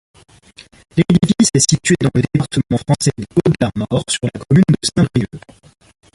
L'édifice est situé dans le département français des Côtes-d'Armor, sur la commune de Saint-Brieuc.